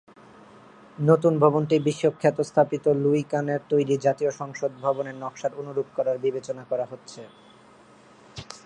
নতুন ভবনটি বিশ্বখ্যাত স্থপতি লুই কানের তৈরি জাতীয় সংসদ ভবন ভবনের নকশার অনুরূপ করার বিবেচনা করা হচ্ছে।